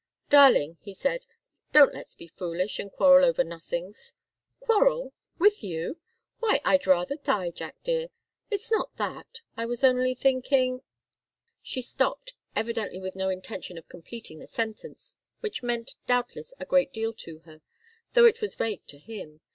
"Darling," he said, "don't let's be foolish, and quarrel over nothings " "Quarrel? With you? Why I'd rather die, Jack dear! It's not that. I was only thinking " She stopped, evidently with no intention of completing the sentence, which meant, doubtless, a great deal to her, though it was vague to him.